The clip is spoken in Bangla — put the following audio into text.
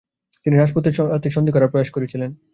তিনি রাজপুতদের সাথে সন্ধি করার প্রয়াস করেছিলেন।